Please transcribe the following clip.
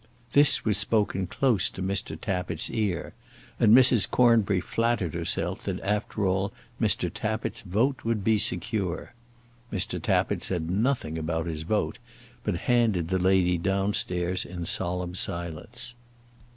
This was spoken close to Mr. Tappitt's ear; and Mrs. Cornbury flattered herself that after that Mr. Tappitt's vote would be secure. Mr. Tappitt said nothing about his vote, but handed the lady down stairs in solemn silence.